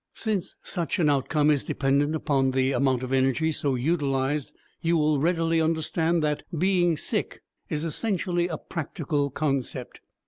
Since such an outcome is dependent on the amount of energy so utilized, you will readily understand that "being sick" is essentially a practical concept.